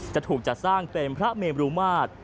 จะถูกจัดสร้างเป็นพระเมรุมาตร